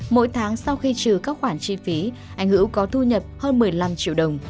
mỗi tháng sau khi trừ các khoản chi phí anh hữu có thu nhập hơn một mươi năm triệu đồng